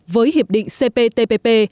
với hiệp định cptpp